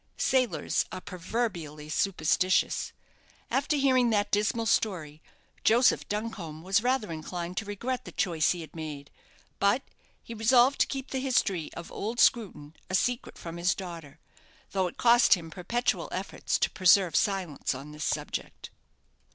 Sailors are proverbially superstitious. After hearing that dismal story, Joseph Duncombe was rather inclined to regret the choice he had made; but he resolved to keep the history of old Screwton a secret from his daughter, though it cost him perpetual efforts to preserve silence on this subject.